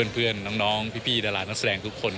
เพื่อนน้องพี่ดารานักแสดงทุกคน